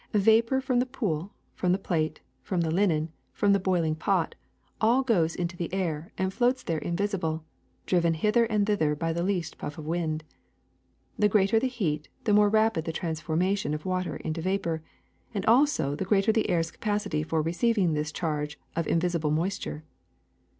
^' Vapor from the pool, from the plate, from the linen, from the boiling pot, all goes into the air and floats there invisible, driven hither and thither by the least puff of wind. The greater the heat, the more rapid the transformation of water into vapor, and also the greater the air's capacity for receiving this charge of invisible moisture.